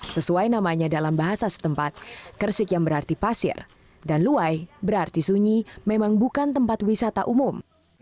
sesuai namanya dalam bahasa setempat kersik yang berarti pasir dan luwai berarti sunyi memang bukan tempat wisata umum